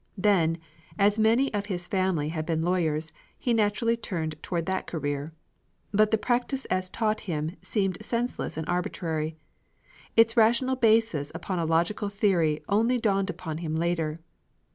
Then, as many of his family had been lawyers, he naturally turned toward that career. But the practice as taught him seemed senseless and arbitrary. Its rational basis upon a logical theory only dawned upon him later.